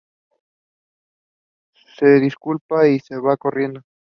Se disculpa y se va corriendo.